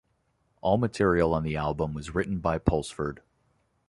All material on the album was written by Pulsford.